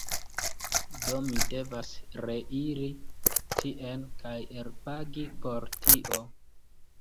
Do, mi devas reiri tien kaj elpagi por tio